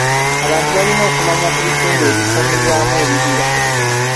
Abantu balina okumanya ku bitundu ebikuumirwamu ebibira.